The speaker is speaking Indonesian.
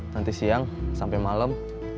nanti siang sampai malam